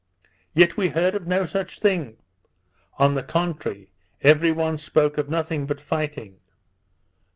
Yet we heard of no such thing; on the contrary, every one spoke of nothing but fighting.